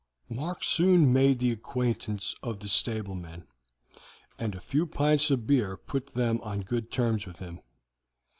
Mark soon made the acquaintance of the stablemen, and a few pints of beer put them on good terms with him.